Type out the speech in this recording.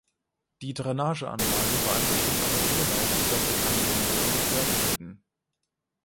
Die Drainage-Anlage war im Betrieb aber so laut, dass sich Anwohner davon gestört fühlten.